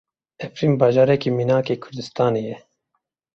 Efrîn bajarekî mînak ê Kurdistanê ye.